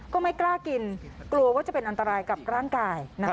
ก็ไม่กล้ากินกลัวว่าจะเป็นอันตรายกับร่างกาย